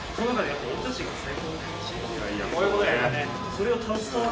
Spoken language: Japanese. それを。